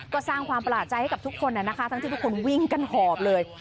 ก็สร้างความประหลาดใจให้กับทุกคนนะคะทั้งที่ทุกคนวิ่งกันหอบเลย